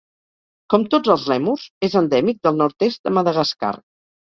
Com tots els lèmurs, és endèmic del nord-est de Madagascar.